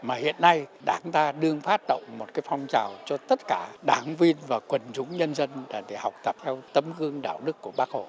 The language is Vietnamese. mà hiện nay đảng ta đương phát động một cái phong trào cho tất cả đảng viên và quần chúng nhân dân để học tập theo tâm hương đạo đức của bác hò